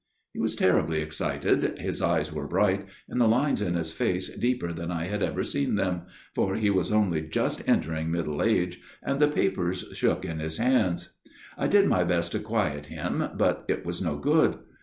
" He was terribly excited, his eyes were bright, and the lines in his face deeper than I had ever seen them, (for he was only just entering middle age,) and the papers shook in his hands. I did my best to quiet him, but it was no good.